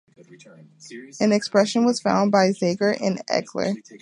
An expression was found, by Zagier and Eichler.